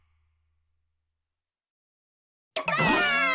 ばあっ！